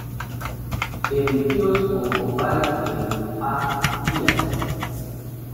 El kiosko o Parque A. Díaz.